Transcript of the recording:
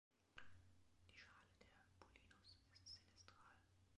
Die Schale der „Bulinus“ ist sinistral.